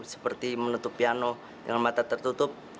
seperti menutup piano dengan mata tertutup